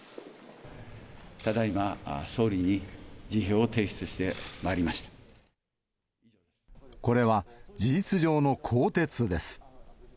ただいま総理に辞表を提出しこれは、事実上の更迭です。